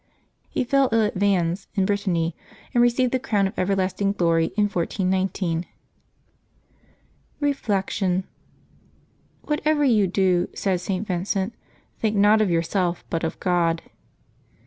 He fell ill at Vannes in Brittany, and received the crown of everlasting glory in 1419. Reflection. — ^'Whatever you do," said St. Vincent, "think not of yourself, but of God."